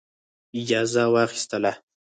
اجازه واخیستله.